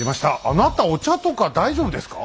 あなたお茶とか大丈夫ですか？